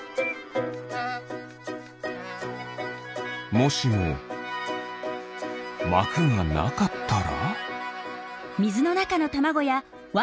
もしもまくがなかったら？